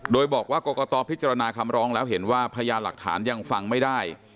โดยบอกว่ากรกตพิจารณาคำร้องแล้วเห็นว่าพยานหลักฐานยังฟังไม่ได้